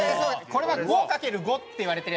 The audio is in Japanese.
これが５×５って言われてるやつで。